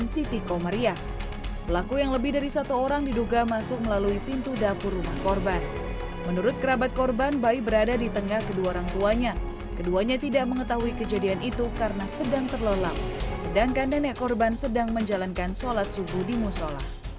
sedangkan nenek korban sedang menjalankan sholat subuh di musola